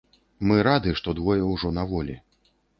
Мы рады, што двое ўжо на волі.